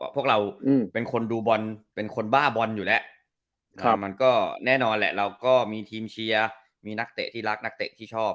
พวกเราเป็นคนดูบอลเป็นคนบ้าบอลอยู่แล้วมันก็แน่นอนแหละเราก็มีทีมเชียร์มีนักเตะที่รักนักเตะที่ชอบ